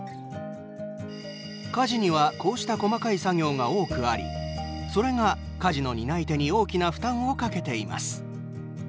家事にはこうした細かい作業が多くありそれが家事の担い手に大きな負担をかけています。